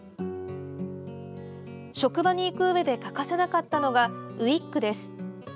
職場に行くうえで欠かせなかったのがウイッグです。